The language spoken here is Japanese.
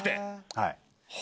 はい。